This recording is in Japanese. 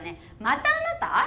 またあなた？